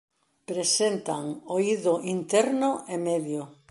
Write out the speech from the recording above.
Presentan oído interno e medio.